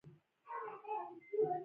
پخو تجربو خلک زده کوي